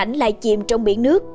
trong cảnh lại chìm trong biển nước